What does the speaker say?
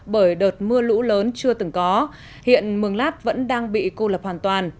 bởi đợt mưa lũ lớn chưa từng có hiện mường lát vẫn đang bị cô lập hoàn toàn